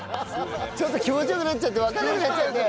ちょっと気持ちよくなっちゃってわからなくなっちゃって。